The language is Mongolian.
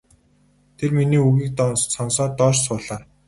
Тэр миний үгийг сонсоод доош суулаа.